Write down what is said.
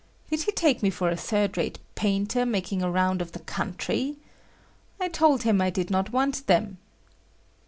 Did he take me for a third rate painter making a round of the country? I told him I did not want them.